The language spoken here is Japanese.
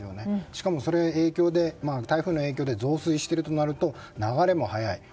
しかも、台風の影響で増水しているとなると流れも速い。